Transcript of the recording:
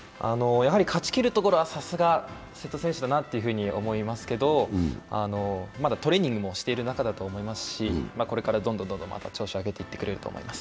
勝ちきるところはさすが瀬戸選手だなと思いますけれどまだトレーニングもしてる中だと思いますしこれからどんどんまた調子を上げていってくれると思います。